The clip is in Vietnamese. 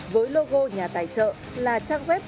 với logo nhà tài trợ là trang web